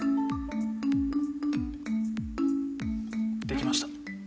できました。